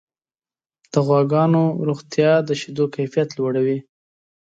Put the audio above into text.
د غواګانو روغتیا د شیدو کیفیت لوړوي.